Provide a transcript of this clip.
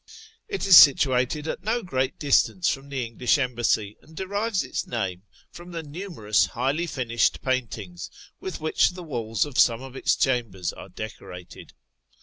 It is situated at no great distance from the English Embassy, and derives its name from the numerous highly finished paintings with which the walls of some of its chambers are decorated.